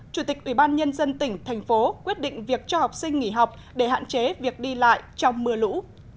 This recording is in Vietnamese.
chủ tịch ủy ban nhân dân tỉnh thành phố quyết định việc cho học sinh nghỉ học để hạn chế việc đi lại trong mưa lũ